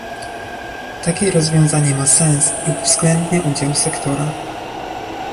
Takie rozwiązanie ma sens i uwzględnia udział sektora